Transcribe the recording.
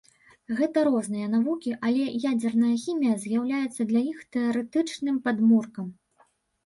Гэта розныя навукі, але ядзерная хімія з'яўляецца для іх тэарэтычным падмуркам.